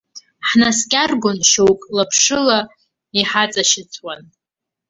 Ҳнаскьаргон шьоук лаԥшыла, иҳаҵашьыцуа.